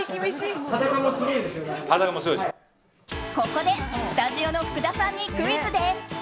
ここでスタジオの福田さんにクイズです。